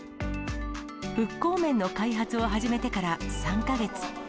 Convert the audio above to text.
復興麺の開発を始めてから３か月。